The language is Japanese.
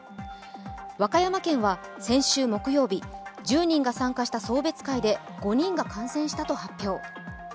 和歌山県は先週木曜日、１０人が参加した送別会で５人が感染したと発表。